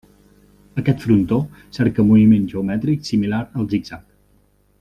Aquest frontó cerca moviment geomètric similar al zig-zag.